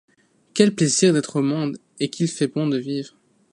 Quel plaisir d’être au monde, et qu’il fait bon de vivre!